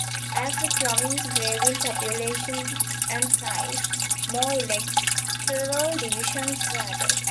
As the province grew in population and size, more electoral divisions were added.